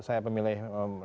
saya pemilih satu